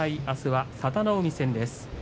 あすは佐田の海戦です。